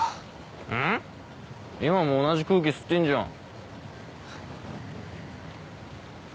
今も同じ空気吸ってんじゃん。